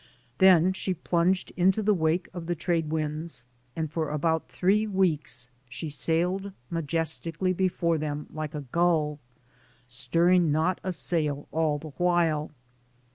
Then she plunged into the wake of the trade winds and for about three weeks she sailed majestically before them like a gull, stirring not a sail all the while.